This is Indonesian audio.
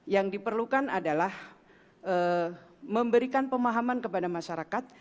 yang diperlukan adalah memberikan pemahaman kepada masyarakat